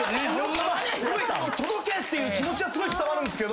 すごい届けっていう気持ちはすごい伝わるんすけど。